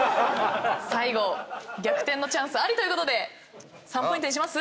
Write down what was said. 最後逆転のチャンスありということで３ポイントにします？